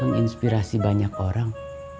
menginspirasi banyak orang